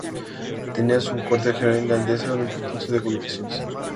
Tenía su cuartel general en Gandesa, un importante centro de comunicaciones.